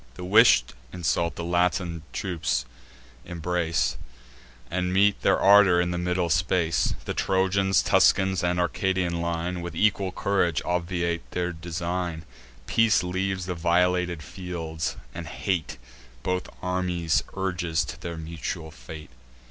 The wish'd insult the Latine troops embrace, And meet their ardour in the middle space. The Trojans, Tuscans, and Arcadian line, With equal courage obviate their design. Peace leaves the violated fields, and hate Both armies urges to their mutual fate.